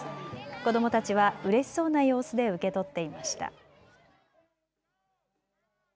子どもたちはうれしそうな様子で受け取っていました。